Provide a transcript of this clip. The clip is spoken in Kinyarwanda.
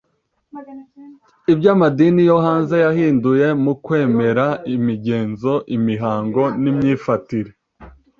Ibyo amadini yo hanze yahinduye mu kwemera, imigenzo, imihango n'imyifatire.